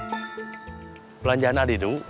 kau mau jalan jalan adik du